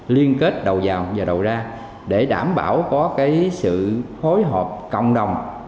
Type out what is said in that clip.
liên kết đầu vào và đầu ra để đảm bảo có cái sự hối hợp cộng đồng